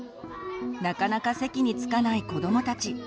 なかなか席に着かない子どもたち。